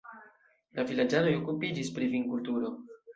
La vilaĝanoj okupiĝis pri vinkulturo.